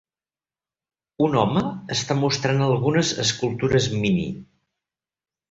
Un home està mostrant algunes escultures mini